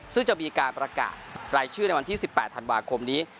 ซึ่งจะมีการประกาศรายชื่อในวันที่๑๘ธันวาคมนี้